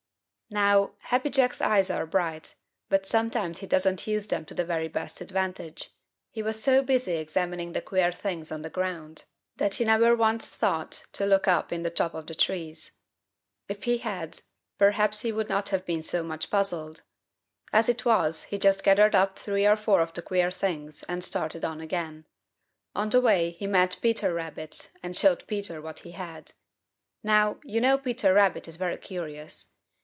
Now, Happy Jack's eyes are bright, but sometimes he doesn't use them to the very best advantage. He was so busy examining the queer things on the ground that he never once thought to look up in the tops of the trees. If he had, perhaps he would not have been so much puzzled. As it was he just gathered up three or four of the queer things and started on again. On the way he met Peter Rabbit and showed Peter what he had. Now, you know Peter Rabbit is very curious.